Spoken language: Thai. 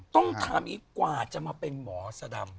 ต้องทำอีกกว่าจะมาเป็นหมอสดำ